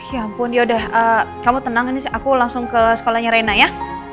ya ampun yaudah kamu tenangin sih aku langsung ke sekolahnya rena ya